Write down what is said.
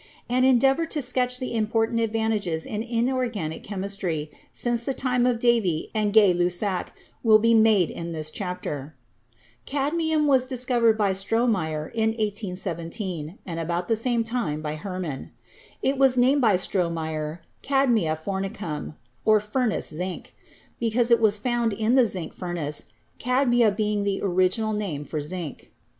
An endeavor to sketch the important advances in inorganic chemistry since the time of Davy and Gay Lussac will be made in this chapter. Cadmium was discovered by Stromeyer in 1817 and about the same time by Hermann. It was named by Stro meyer "cadmia fornicum" (furnace zinc), because it was found in the zinc furnace, cadmia being the original name for zinc.